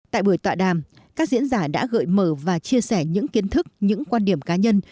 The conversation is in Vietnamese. tại buổi tọa đàm các diễn giả đã gợi mở và chia sẻ những kiến thức những quan điểm cá nhân